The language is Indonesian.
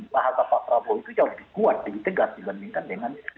bahasa pak prabowo itu jauh lebih kuat lebih tegas dibandingkan dengan